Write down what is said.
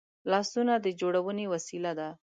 لاسونه د جوړونې وسیله ده